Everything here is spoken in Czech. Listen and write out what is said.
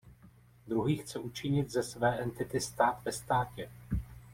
Druhý chce učinit ze své entity stát ve státě.